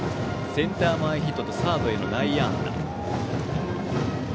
センター前ヒットとサードへの内野安打。